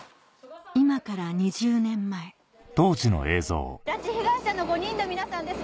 今から２０年前拉致被害者の５人の皆さんです。